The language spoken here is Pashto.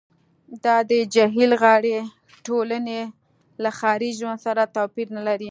دا د جهیل غاړې ټولنې له ښاري ژوند سره توپیر نلري